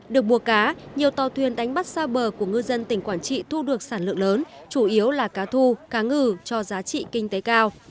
được mùa cá nhiều tàu thuyền đánh bắt xa bờ của ngư dân tỉnh quảng trị thu được sản lượng lớn chủ yếu là cá thu cá ngừ cho giá trị kinh tế cao